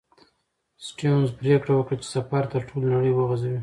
سټيونز پرېکړه وکړه چې سفر تر ټولې نړۍ وغځوي.